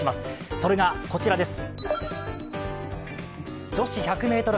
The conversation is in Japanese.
それがこちらです。